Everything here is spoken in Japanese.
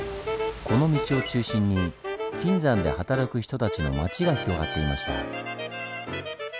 この道を中心に金山で働く人たちの町が広がっていました。